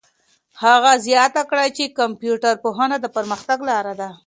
هغه زیاته کړه چي کمپيوټر پوهنه د پرمختګ لاره ده.